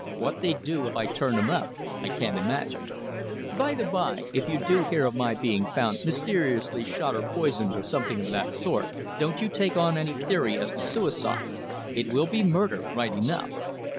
What they'd do if I turned 'em up, I can't imagine. By the by, if you do hear of my being found mysteriously shot or poisoned or something of that sort, don't you take on any theory as to suicide. It will be murder, right enough.